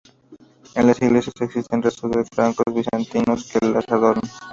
En las iglesias existen restos de los frescos bizantinos que las adornaban.